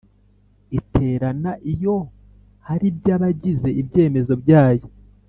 Iterana iyo hari by abayigize ibyemezo byayo